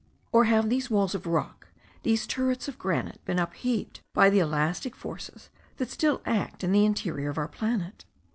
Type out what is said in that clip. or have these walls of rock, these turrets of granite, been upheaved by the elastic forces that still act in the interior of our planet?